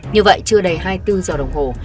như vậy chưa đầy hai mươi bốn giờ đồng hồ